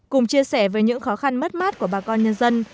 cùng chia sẻ về những khó khăn mất mát của bà con nhân dân